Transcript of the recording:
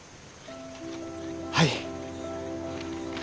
はい！